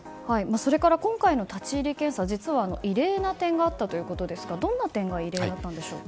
それから、今回の立ち入り検査実は異例な点があったということですがどんな点が異例だったんでしょうか。